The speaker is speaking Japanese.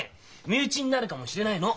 身内になるかもしれないの！